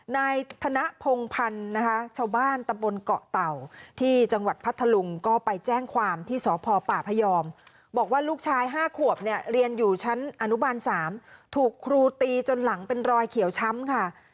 นายธนพงพันธ์นะคะชาวบ้านตำบลเกาะเต่าที่จังหวัดพัทธลุงก็ไปแจ้งความที่สพปพยอมบอกว่าลูกชาย๕ขวบเนี่ยเรียนอยู่ชั้นอนุบาล๓ถูกครูตีจนหลังเป็นรอยเขียวช้ำค่ะ